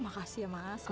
makasih ya mas makasih ya